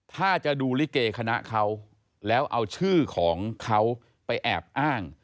แต่ถ้าจะดูลิเกคณะเขาแล้วเอาชื่อของเขาแล้วเอาชื่อของเขาไปแอบอ้าง